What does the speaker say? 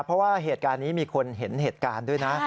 เพราะว่าเหตุการณ์นี้มีคนเห็นเหตุการณ์ด้วยนะ